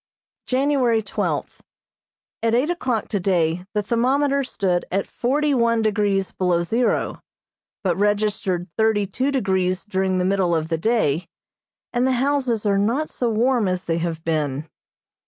January twelfth: At eight o'clock today the thermometer stood at forty one degrees below zero, but registered thirty two degrees during the middle of the day, and the houses are not so warm as they have been.